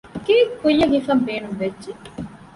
ގެއެއް ކުއްޔަށް ހިފަންބޭނުންވެއްޖެ